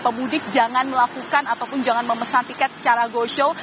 pemudik jangan melakukan ataupun jangan memesan tiket secara go show